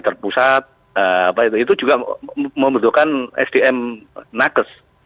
terpusat apa itu itu juga membutuhkan sdm nakes